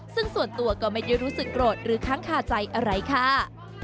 ซึ่งส่วนตัวก็ไม่ได้รู้สึกโกรธหรือค้างคาใจอะไรค่ะ